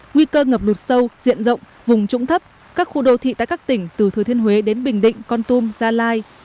nguy cơ ngập lụt sâu diện rộng vùng trũng thấp các khu đô thị tại các tỉnh từ thừa thiên huế đến bình định con tum gia lai